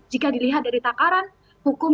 jika dilihat dari takaran hukum